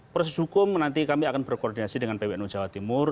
proses hukum nanti kami akan berkoordinasi dengan pwnu jawa timur